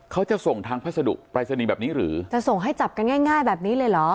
เขาจะส่งทางพัสดุปรายศนีย์แบบนี้หรือจะส่งให้จับกันง่ายง่ายแบบนี้เลยเหรอ